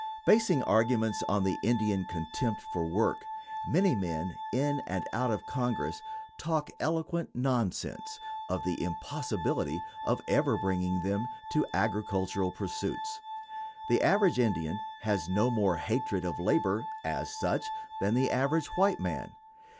Basing arguments on the Indian contempt for work, many men in and out of Congress talk eloquent nonsense of the impossibility of ever bringing them to agricultural pursuits. The average Indian has no more hatred of labor, as such, than the average white man.